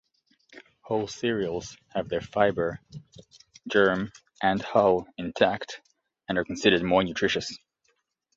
Whole cereals have their fiber, germ and hull intact and are considered more nutritious.